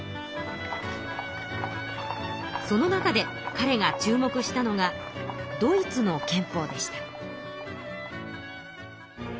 その中でかれが注目したのがドイツの憲法でした。